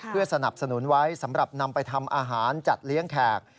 เพื่อสนับสนุนไว้สำหรับนำไปทำอาหารจัดเลี้ยงแขก